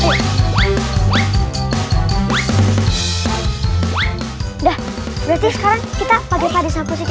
udah berarti sekarang kita pake pade sampo sih